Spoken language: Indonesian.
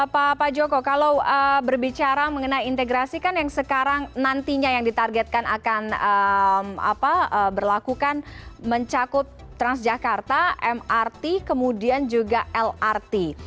pak joko kalau berbicara mengenai integrasi kan yang sekarang nantinya yang ditargetkan akan berlakukan mencakup transjakarta mrt kemudian juga lrt